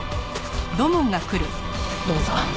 土門さん